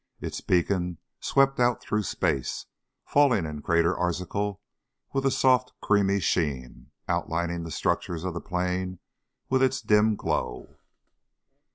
Its beacon swept out through space, falling in Crater Arzachel with a soft creamy sheen, outlining the structures of the plain with its dim glow.